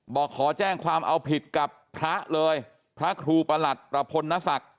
บอกขอแจ้งความเอาผิดกับพระเลยพระครูประหลัดประพลนศักดิ์